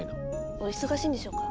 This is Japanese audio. お忙しいんでしょうか。